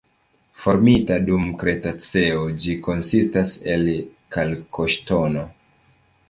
Formita dum Kretaceo, ĝi konsistas el kalkoŝtono.